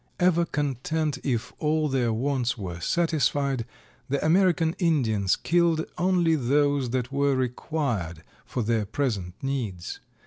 Ever content if all their wants were satisfied, the American Indians killed only those that were required for their present needs.